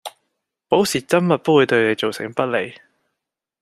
保持緘默不會對你構成不利